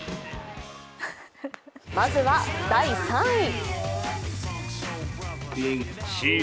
まずは第３位。